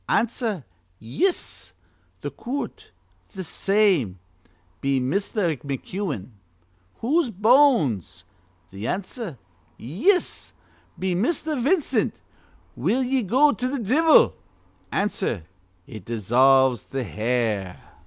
Answer: 'Yis.' Th' coort: 'Th' same.' Be Misther McEwen: 'Whose bones?' Answer: 'Yis.' Be Misther Vincent: 'Will ye go to th' divvle?' Answer: 'It dissolves th' hair.'